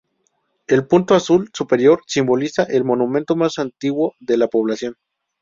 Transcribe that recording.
El punto azul superior simboliza el monumento más antiguo de la población.